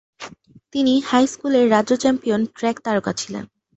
তিনি হাইস্কুলের রাজ্য champion track তারকা ছিলেন।